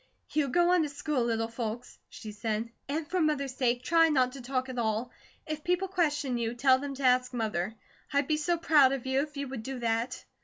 "You go on to school, little folks," she said. "And for Mother's sake try not to talk at all. If people question you, tell them to ask Mother. I'd be so proud of you, if you would do that."